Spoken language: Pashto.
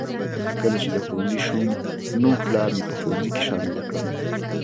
کله چې د ښوونځي شوم نو پلار مې په ښوونځي کې شامله کړم